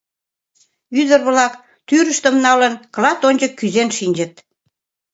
Ӱдыр-влак, тӱрыштым налын, клат ончык кӱзен шинчыт.